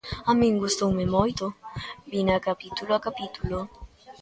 A min gustoume moito, vina capítulo a capítulo.